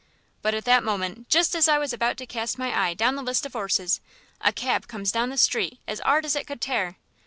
But at that moment, just as I was about to cast my eye down the list of 'orses, a cab comes down the street as 'ard as it could tear.